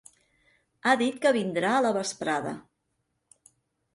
Ha dit que vindrà a la vesprada.